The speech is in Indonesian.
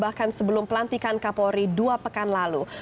bahkan sebelum pelantikan kapolri dua pekan lalu